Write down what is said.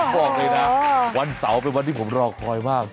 บอกเลยนะวันเสาร์เป็นวันที่ผมรอคอยมาก